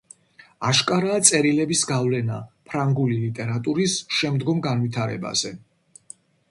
აშკარაა „წერილების“ გავლენა ფრანგული ლიტერატურის შემდგომ განვითარებაზე.